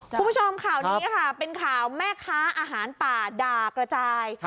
คุณผู้ชมข่าวนี้ค่ะเป็นข่าวแม่ค้าอาหารป่าด่ากระจาย